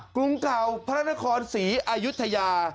กรุงเก่าพระนครศรีอายุทยา